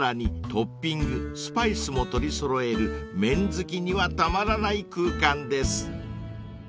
トッピングスパイスも取り揃える麺好きにはたまらない空間です］